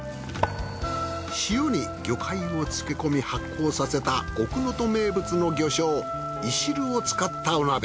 塩に魚介を漬け込み発酵させた奥能登名物の魚醤いしるを使ったお鍋。